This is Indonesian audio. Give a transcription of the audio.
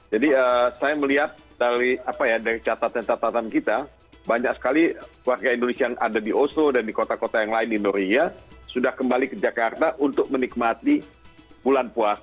jadi saya melihat dari apa ya dari catatan catatan kita banyak sekali warga indonesia yang ada di oslo dan di kota kota yang lain di norwegia sudah kembali ke jakarta untuk menikmati bulan puasa ramadan